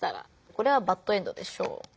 これはバッドエンドでしょう。